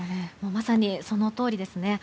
まさにそのとおりですね。